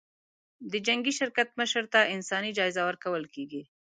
د جنګي شرکت مشر ته انساني جایزه ورکول کېږي.